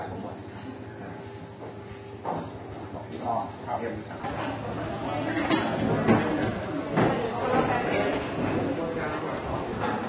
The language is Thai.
กลับเข้าไปเข้าไป